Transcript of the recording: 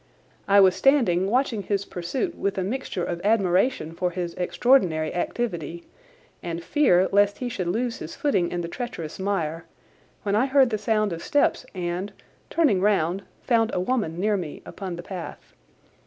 I was standing watching his pursuit with a mixture of admiration for his extraordinary activity and fear lest he should lose his footing in the treacherous mire, when I heard the sound of steps and, turning round, found a woman near me upon the path.